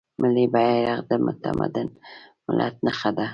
ملي بیرغ د متمدن ملت نښه ده.